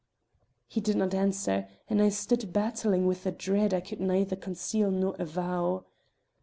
He did not answer, and I stood battling with a dread I could neither conceal nor avow.